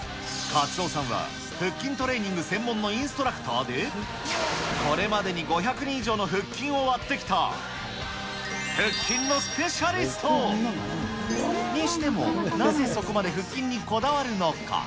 カツオさんは、腹筋トレーニング専門のインストラクターで、これまでに５００人以上の腹筋を割ってきた、腹筋のスペシャリスト。にしても、なぜそこまで腹筋にこだわるのか。